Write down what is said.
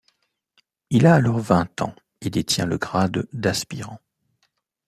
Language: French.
Il a alors vingt ans et détient le grade d’aspirant.